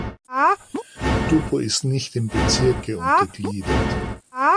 Dubbo ist nicht in Bezirke untergliedert.